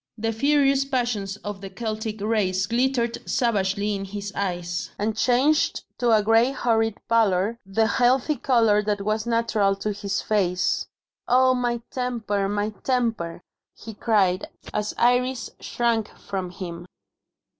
The furious passions of the Celtic race glittered savagely in his eyes, and changed to a grey horrid pallor the healthy colour that was natural to his face. "Oh, my temper, my temper!" he cried, as Iris shrank from him.